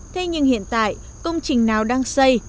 thế nhưng hiện tại công trình nào đang xây